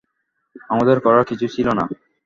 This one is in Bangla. আমাদের করার কিছু ছিল না।